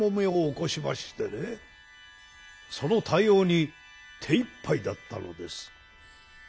その対応に手いっぱいだったのです。